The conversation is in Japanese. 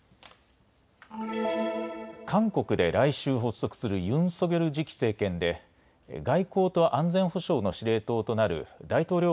韓国で来週発足するユン・ソギョル次期政権で外交と安全保障の司令塔となる大統領